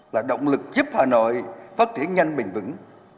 là động lực giúp hà nội phát triển nhanh bình vững